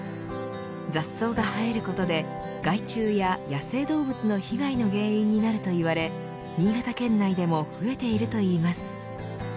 雑草が生えることで害虫や野生動物の被害の原因になるといわれ新潟県内でも増えているといいます。